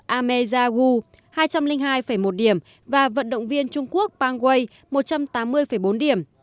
ameya wu hai trăm linh hai một điểm và vận động viên trung quốc pang wei một trăm tám mươi bốn điểm